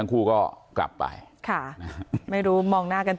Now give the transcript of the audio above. เนื้อเกลี่ยออกไปโน้ม